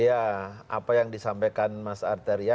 ya apa yang disampaikan mas arteria